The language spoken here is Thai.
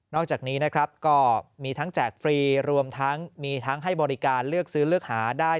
อกจากนี้นะครับก็มีทั้งแจกฟรีรวมทั้งมีทั้งให้บริการเลือกซื้อเลือกหาได้